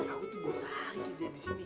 aku tuh bosan aja di sini